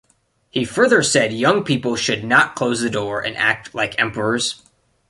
He further said young people should not close the door and act like emperors.